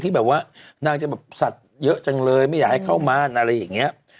ที่จะจากสัตว์เยอะจังเลยไม่อยากให้เขามาอะไรอย่างเงี้ย